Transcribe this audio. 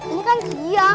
ini kan kejia